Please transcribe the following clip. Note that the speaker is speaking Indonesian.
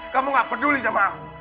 kamu gak peduli sama